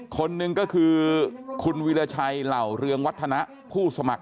คนหนึ่งก็คือคุณวิราชัยเหล่าเรืองวัฒนะผู้สมัคร